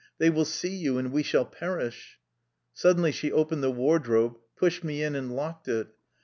They will see you, and we shall perish.'^ Suddenly she opened the wardrobe, pushed me in, and locked it.